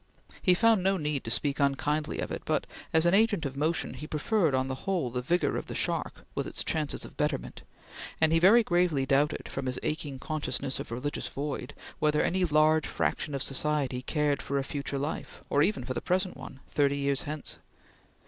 He found no need to speak unkindly of it; but, as an agent of motion, he preferred on the whole the vigor of the shark, with its chances of betterment; and he very gravely doubted, from his aching consciousness of religious void, whether any large fraction of society cared for a future life, or even for the present one, thirty years hence.